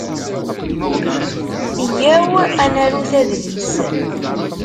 Iyyaw ad narut adlis.